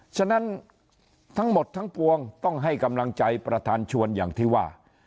ฉะนั้นทั้งหมดทั้งปวงต้องให้กำลังใจประธานชวนอย่างที่ว่า